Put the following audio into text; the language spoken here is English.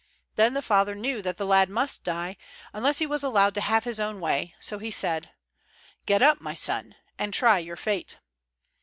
Then the father knew that the lad must die, unless he was allowed to have his own way, so he said: "Get up, my son, and try your fate."